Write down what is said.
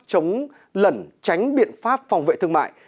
chống lẩn tránh biện pháp phòng vệ thương mại